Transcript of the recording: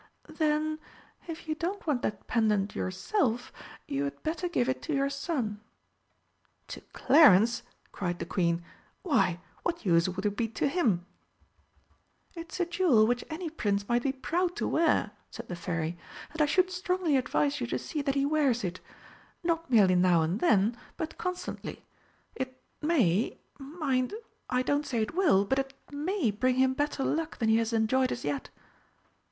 "Then, if you don't want that pendant yourself, you had better give it to your son." "To Clarence?" cried the Queen. "Why, what use would it be to him?" "It is a jewel which any Prince might be proud to wear," said the Fairy; "and I should strongly advise you to see that he wears it. Not merely now and then, but constantly. It may mind, I don't say it will but it may bring him better luck than he has enjoyed as yet."